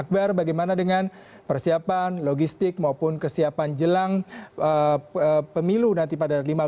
bagaimana dengan persiapan logistik maupun kesiapan jelang pemilu nanti pada lima belas februari dua ribu tujuh belas mendatang